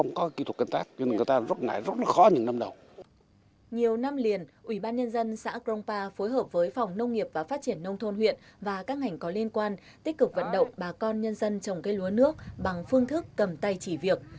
nhiều năm liền ủy ban nhân dân xã cronpa phối hợp với phòng nông nghiệp và phát triển nông thôn huyện và các ngành có liên quan tích cực vận động bà con nhân dân trồng cây lúa nước bằng phương thức cầm tay chỉ việc